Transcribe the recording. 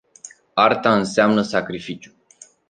Arta înseamnă sacrificiu.